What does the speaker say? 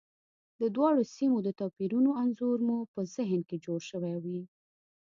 د دواړو سیمو د توپیرونو انځور مو په ذهن کې جوړ شوی وي.